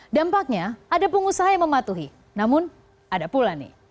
dampaknya ada pengusaha yang mematuhi namun ada pula nih